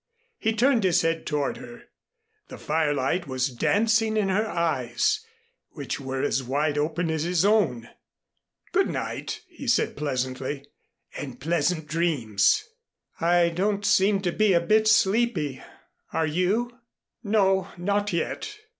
He turned his head toward her. The firelight was dancing in her eyes, which were as wide open as his own. "Good night," he said pleasantly, "and pleasant dreams." "I don't seem to be a bit sleepy are you?" "No, not yet.